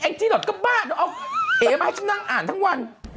ไอ้จิรดดก็บ้าเอ๊ะมาให้ฉันนั่งอ่านทั้งวัน